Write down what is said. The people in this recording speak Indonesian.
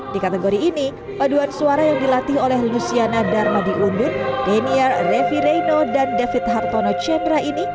di kategori ini baduan suara yang dilatih oleh luciana darmadi undun demir refireno dan david hartono cendra ini